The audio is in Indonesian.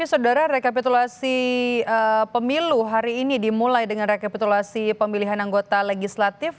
saudara rekapitulasi pemilu hari ini dimulai dengan rekapitulasi pemilihan anggota legislatif